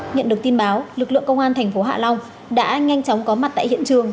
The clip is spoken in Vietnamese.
nhận được tin báo lực lượng công an thành phố hạ long đã nhanh chóng có mặt tại hiện trường